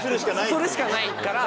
それしかないから。